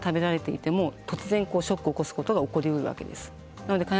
いつも食べられていても突然ショックを起こすことが起こるわけです。